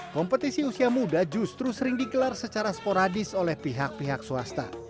kompetisi usia muda justru sering dikelar secara sporadis oleh pihak pihak swasta